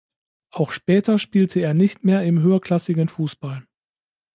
Auch später spielte er nicht mehr im höherklassigen Fußball.